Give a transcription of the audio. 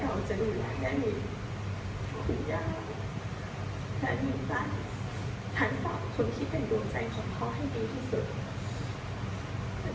เวลาพวกเราจะดูแลได้มีคุณยาและมีพันพันสองคนที่เป็นดวงใจของพ่อให้ดีที่สุด